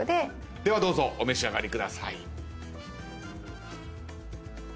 ではどうぞお召し上がりください。